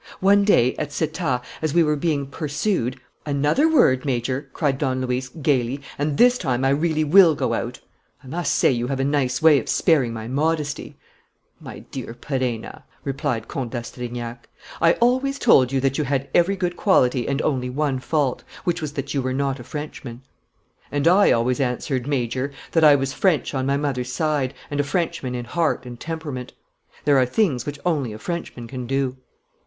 One day, at Settat, as we were being pursued " "Another word, Major," cried Don Luis, gayly, "and this time I really will go out! I must say you have a nice way of sparing my modesty!" "My dear Perenna," replied Comte d'Astrignac, "I always told you that you had every good quality and only one fault, which was that you were not a Frenchman." "And I always answered, Major, that I was French on my mother's side and a Frenchman in heart and temperament. There are things which only a Frenchman can do."